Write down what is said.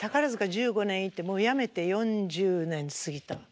１５年いてもうやめて４０年過ぎた。